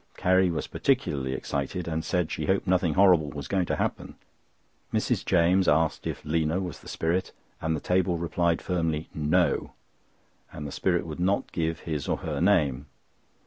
Carrie was particularly excited, and said she hoped nothing horrible was going to happen. Mrs. James asked if "Lina" was the spirit. The table replied firmly, "No," and the spirit would not give his or her name.